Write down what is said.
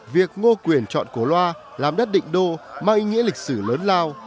việc ngô quyền chọn cổ loa làm đất định đô mang ý nghĩa lịch sử lớn lao